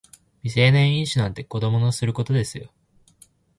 未成年飲酒なんて子供のすることですよ